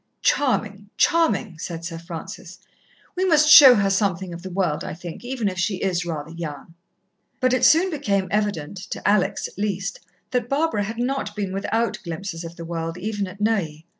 "Charming, charming!" said Sir Francis. "We must show her something of the world, I think, even if she is rather young." But it soon became evident, to Alex, at least, that Barbara had not been without glimpses of the world, even at Neuilly.